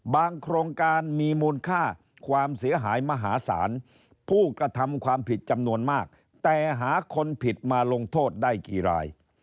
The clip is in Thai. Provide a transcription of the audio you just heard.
โครงการมีมูลค่าความเสียหายมหาศาลผู้กระทำความผิดจำนวนมากแต่หาคนผิดมาลงโทษได้กี่ราย